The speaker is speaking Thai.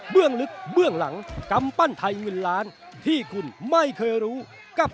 ลึกเบื้องหลังกำปั้นไทยเงินล้านที่คุณไม่เคยรู้กับ